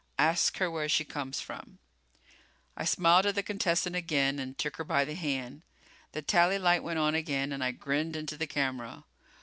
"Ask her where she comes from." I smiled at the contestant again and took her by the hand. The tally light went on again and I grinned into the camera.